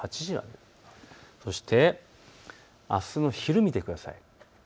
そして、あすの昼、見てください。